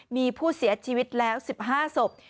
มีผู้เสียชีวิตแล้ว๑๕ศพ